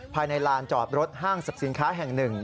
ภายในรานจอบรถห้างศักดิ์สินค้าแห่งหนึ่ง